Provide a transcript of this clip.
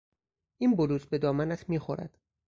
این بلوز به دامنت میخورد.